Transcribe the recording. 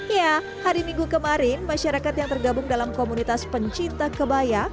ya hari minggu kemarin masyarakat yang tergabung dalam komunitas pencinta kebaya